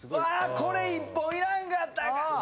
これ１本いらんかったか。